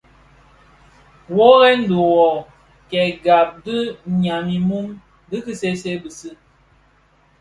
Wuoren dhi wuō kè gab dhi “nyam imum” bi ki see see bisi,